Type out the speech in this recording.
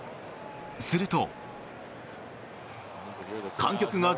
すると。